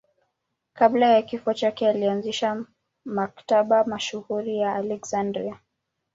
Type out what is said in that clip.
Kabla ya kifo chake alianzisha Maktaba mashuhuri ya Aleksandria.